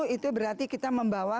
itu berarti kita membawa